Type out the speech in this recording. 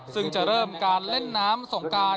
ซึ่งจะเริ่มการเล่นน้ำสงการ